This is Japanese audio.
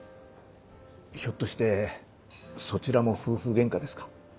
ひょっとしてそちらも夫婦ゲンカですか？